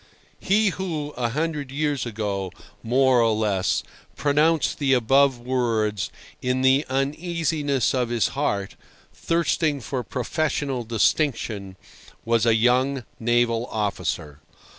He who, a hundred years ago, more or less, pronounced the above words in the uneasiness of his heart, thirsting for professional distinction, was a young naval officer.